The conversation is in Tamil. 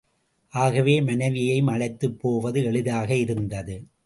ஆகவே, மனைவியையும் அழைத்துப் போவது எளிதாக இருந்தது.